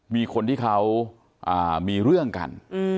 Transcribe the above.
มีคนที่เขามีเรื่องกัน